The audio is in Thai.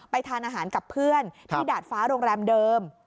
ทานอาหารกับเพื่อนที่ดาดฟ้าโรงแรมเดิม